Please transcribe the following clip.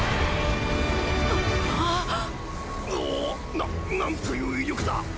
おぉななんという威力だ！